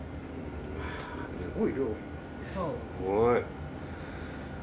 すごい。